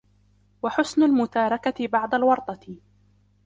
وَحُسْنِ الْمُتَارَكَةِ بَعْدَ الْوَرْطَةِ